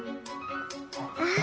ああ。